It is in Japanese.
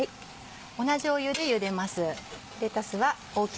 同じ湯でゆでます。